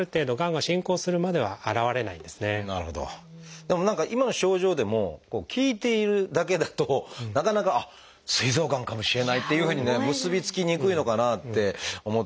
でも何か今の症状でも聞いているだけだとなかなか「あっすい臓がんかもしれない」っていうふうにね結び付きにくいのかなって思ったりもして。